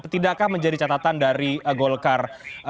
tidakkah menjadi catatan dari golkar